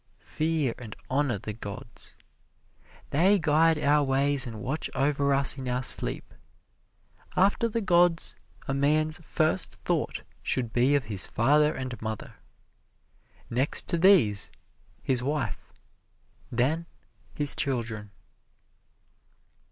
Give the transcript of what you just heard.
Fear and honor the gods. They guide our ways and watch over us in our sleep. After the gods, a man's first thought should be of his father and mother. Next to these his wife, then his children.